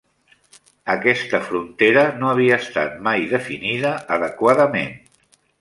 Aquesta frontera no havia estat mai definida adequadament